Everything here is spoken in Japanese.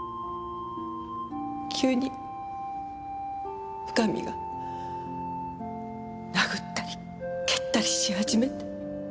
急に深見が殴ったり蹴ったりし始めて。